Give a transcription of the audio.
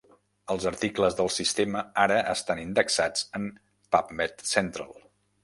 Els articles del sistema ara estan indexats en PubMed Central.